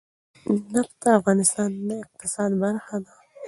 نفت د افغانستان د اقتصاد برخه ده.